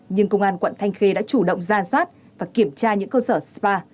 nhưng công an quận thanh khê đã chủ động ra soát và kiểm tra những cơ sở spa